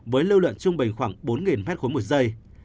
với lưu lượng trung bình khoảng bốn m ba một giây